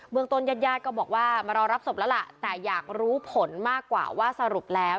เมืองต้นญาติญาติก็บอกว่ามารอรับศพแล้วล่ะแต่อยากรู้ผลมากกว่าว่าสรุปแล้ว